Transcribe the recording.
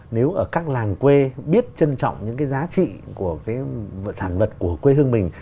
nếu ở các làng quê biết trân trọng những cái giá trị của cái sản vật của quê hương mình